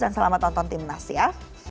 dan selamat tonton timnas ya